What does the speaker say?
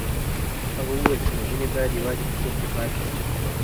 هغه وویل چې نجونې باید یوازې په کور کې پاتې شي.